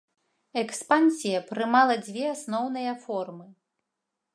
Экспансія прымала дзве асноўныя формы.